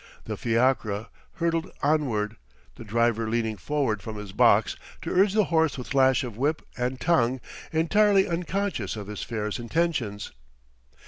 The fiacre hurtled onward, the driver leaning forward from his box to urge the horse with lash of whip and tongue, entirely unconscious of his fare's intentions.